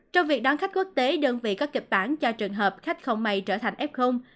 trong việc đón khách quốc tế đơn vị có kịp bản cho trường hợp khách không may trở thành ép không